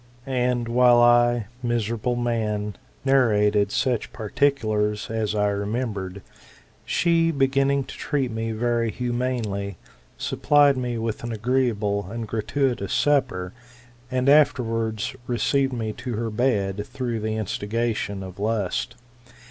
''And while I, miserable man, narrated such particulars as I remembered, she, beginning to treat me very humanely, supplied me wiih an n^^reeable and gratuitous supper, and afterwards received me 10 her bed, through the instigation of lust.